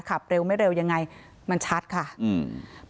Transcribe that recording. ขับเร็วไม่เร็วยังไงมันชัดค่ะอืม